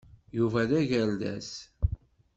Yuba d agerdes.